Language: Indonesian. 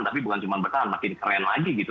tapi bukan cuma bertahan makin keren lagi gitu